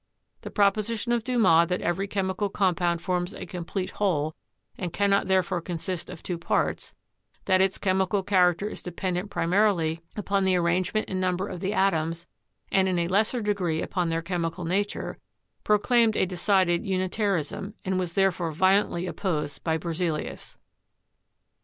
The proposition of Dumas that every chemical compound forms a complete whole and cannot therefore consist of two parts, that its chemical character is dependent pri marily upon the arrangement and number of the atoms, and in a lesser degree upon their chemical nature, pro claimed a decided unitarism, and was therefore violently opposed by Berzelius.